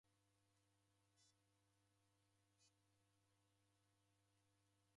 Kwaaghie mzenyu angu bado?